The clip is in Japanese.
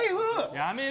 やめろ！